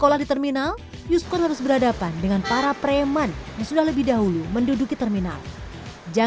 ara estegar ajar kota daniela